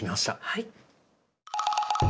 はい。